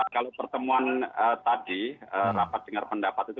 kalau pertemuan tadi rapat dengar pendapat itu